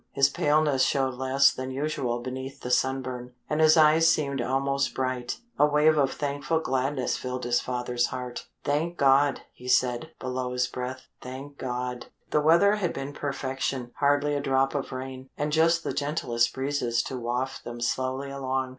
His paleness showed less than usual beneath the sunburn, and his eyes seemed almost bright. A wave of thankful gladness filled his father's heart. "Thank God," he said, below his breath. "Thank God." The weather had been perfection, hardly a drop of rain, and just the gentlest breezes to waft them slowly along.